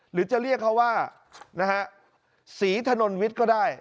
หรือจะเรียกเขาว่าสีธนวิทย์ก็ได้